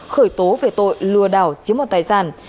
khởi tố về tội lừa đảo chiếm mọt tài sản